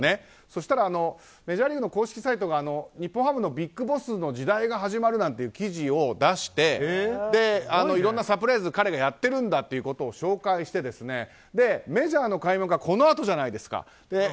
そしたらメジャーリーグの公式サイトが日本ハムのＢＩＧＢＯＳＳの時代が始まるなんていう記事を出していろいろなサプライズを彼がやっているんだということを紹介してメジャーの開幕がこのあとじゃないですか。